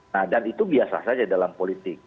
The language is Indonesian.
nah dan itu biasa saja dalam politik